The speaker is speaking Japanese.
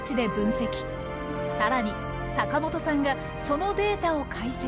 さらに坂本さんがそのデータを解析。